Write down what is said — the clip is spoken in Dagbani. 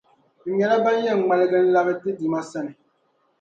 Ti nyɛla ban yɛn ŋmalgi nlabi ti Duuma sani.